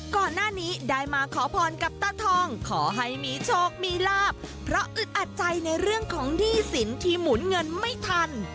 ก่อนหน้านี้ได้มาขอพรกับตาทองขอให้มีโชคมีลาบเพราะอึดอัดใจในเรื่องของหนี้สินที่หมุนเงินไม่ทัน